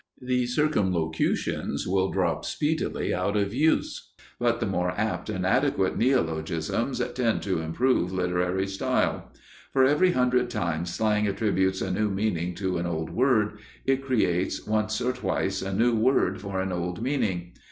The circumlocutions will drop speedily out of use, but the more apt and adequate neologisms tend to improve literary style. For every hundred times slang attributes a new meaning to an old word, it creates once or twice a new word for an old meaning.